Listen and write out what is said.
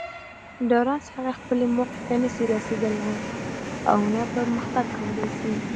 ډارن سړئ خپلي موخي ته نه سي رسېدلاي اونه پرمخ تګ کولاي سي